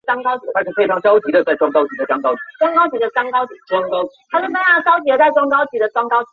早年任小金门守备师副连长与陆军官校教官。